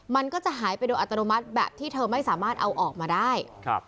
มันก็จะหายไปโดยอัตโนมัติแบบที่เธอไม่สามารถเอาออกมาได้